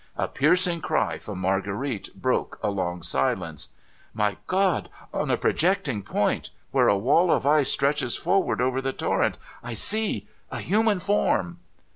A piercing cry from Marguerite broke a long silence. A BRAVE WOMAN 555 * My God ! On a projecting point, where a wall of ice stretches forward over the torrent, I see a human form